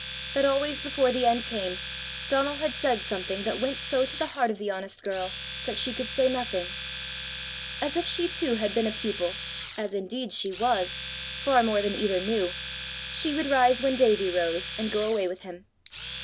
But always before the end came, Donal had said something that went so to the heart of the honest girl that she could say nothing. As if she too had been a pupil, as indeed she was, far more than either knew, she would rise when Davie rose, and go away with him.